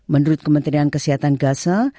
menurut kementerian kesehatan gaza